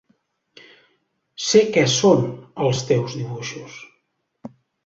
Sé què són els teus dibuixos.